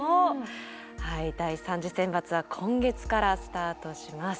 第３次選抜は今月からスタートします。